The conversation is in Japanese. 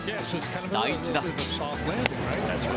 第１打席。